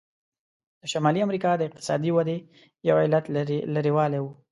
د شمالي امریکا د اقتصادي ودې یو علت لرې والی و.